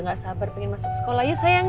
gak sabar pengen masuk sekolah ya sayang ya